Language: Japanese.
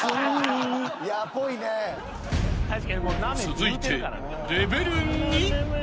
［続いてレベル２］